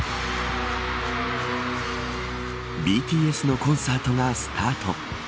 ＢＴＳのコンサートがスタート。